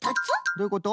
どういうこと？